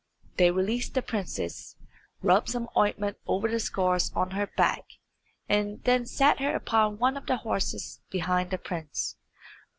They released the princess, rubbed some ointment over the scars on her back, and then sat her upon one of their horses behind the prince.